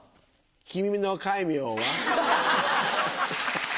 「君の戒名は」。